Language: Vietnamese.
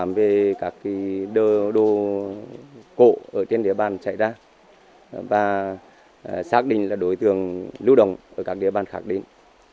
phạm về các đồ cổ ở trên địa bàn chạy ra và xác định là đối tượng lưu đồng ở các địa bàn khẳng định